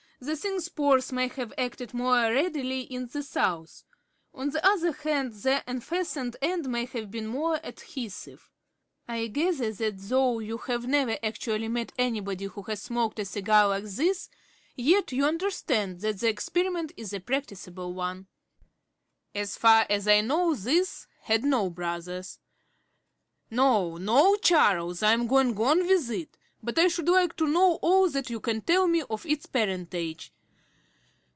The thing's pores may have acted more readily in the South. On the other hand, the unfastened end may have been more adhesive. I gather that though you have never actually met anybody who has smoked a cigar like this, yet you understand that the experiment is a practicable one. As far as you know this had no brothers. No, no, Charles, I'm going on with it, but I should like to know all that you can tell me of its parentage.